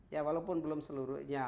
ya walaupun belum seluruhnya